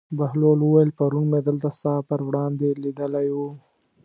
بهلول وویل: پرون مې دلته ستا پر وړاندې لیدلی و.